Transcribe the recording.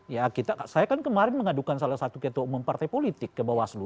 ya kita saya kan kemarin mengadukan salah satu ketua umum partai politik ke bawaslu